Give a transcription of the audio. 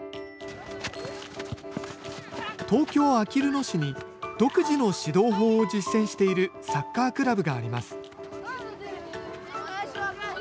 東京・あきる野市に、独自の指導法を実践しているサッカークラブがあります。